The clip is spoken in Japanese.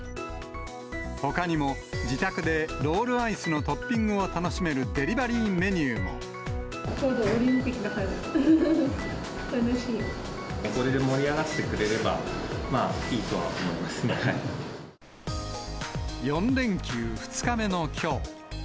ほかにも自宅でロールアイスのトッピングを楽しめるデリバリちょうどオリンピックだからこれで盛り上がってくれれば４連休２日目のきょう。